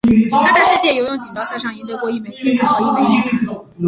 他在世界游泳锦标赛上赢得过一枚金牌和一枚银牌。